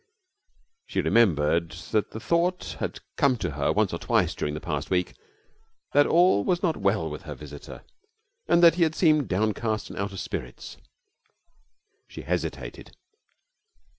She remembered that the thought had come to her once or twice during the past week that all was not well with her visitor, and that he had seemed downcast and out of spirits. She hesitated.